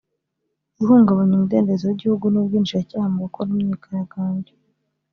guhungabanya umudendezo w’igihugu n’ubwinjiracyaha mu gukora imyigaragambyo